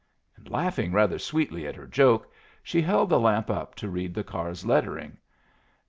And laughing rather sweetly at her joke, she held the lamp up to read the car's lettering.